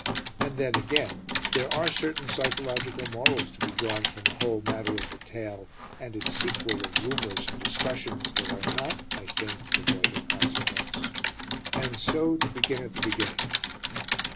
And then, again, there are certain psychological morals to be drawn from the whole matter of the tale and its sequel of rumours and discussions that are not, I think, devoid of consequence; and so to begin at the beginning.